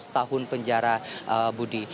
tujuh belas tahun penjara budi